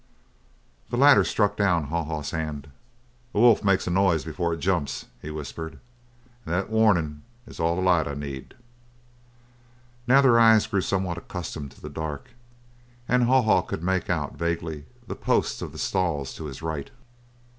The latter struck down Haw Haw's hand. "A wolf makes a noise before it jumps," he whispered, "and that warnin' is all the light I need." Now their eyes grew somewhat accustomed to the dark and Haw Haw could make out, vaguely, the posts of the stalls to his right.